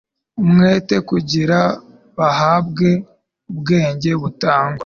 umwete kugira bahabwe ubwenge butangwa